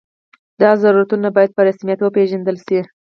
دا ضرورتونه باید په رسمیت وپېژندل شي.